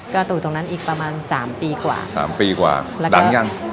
ก็อยู่ตรงนั้นอีกประมาณสามปีกว่าสามปีกว่าหลังยัง